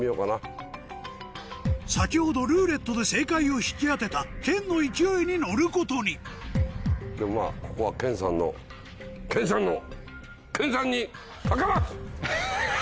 先ほどルーレットで正解を引き当てた研の勢いに乗ることにでもまぁここは研さんの研さんの！